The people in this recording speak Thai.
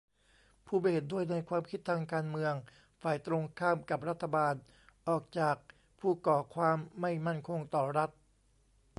ผู้ไม่เห็นด้วยในความคิดทางการเมือง ฝ่ายตรงข้ามกับรัฐบาล ออกจาก ผู้ก่อความไม่มั่นคงต่อรัฐ